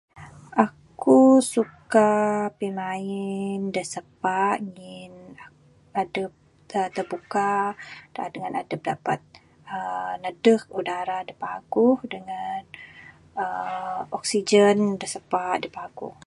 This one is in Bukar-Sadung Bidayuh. Aku suka pimain dak sepa ngin adep tebuka dengan adep dapat uhh nedek udara dak paguh dengan uhh oksigen dak sepa dak paguh.